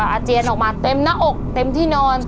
อาเจียนออกมาเต็มหน้าอกเต็มที่นอน